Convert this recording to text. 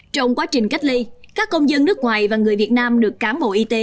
trong quá trình cách ly các công dân nước ngoài và người việt nam được cán bộ y tế